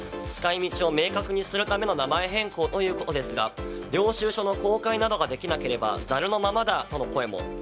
使い道を明確にするための名前変更ということですが領収書の公開などができなければざるのままだとの声も。